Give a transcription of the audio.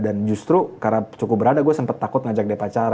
dan justru karena cukup berada gue sempet takut ngajak dia pacaran